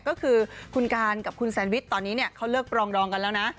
ก็คือคุณการกับคุณแซนวิชตอนนี้เขาเลิกปรองดองกันแล้วนะ